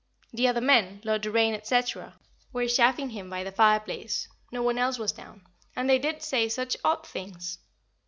The other men, Lord Doraine, &c., were chaffing him by the fireplace no one else was down and they did say such odd things.